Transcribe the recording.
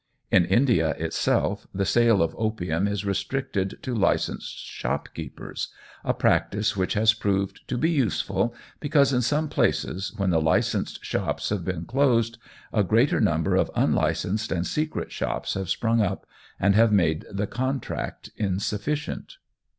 In India itself, the sale of opium is restricted to licensed shopkeepers, a practice which has proved to be useful, because in some places, when the licensed shops have been closed, a greater number of unlicensed and secret shops have sprung up, and have made the contract insufficient.